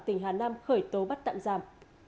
tỉnh hà nam khởi tố bắt tạm giảm